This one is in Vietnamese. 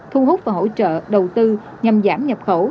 thu hút và hỗ trợ đầu tư nhằm giảm nhập khẩu